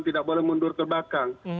tidak boleh mundur kebakang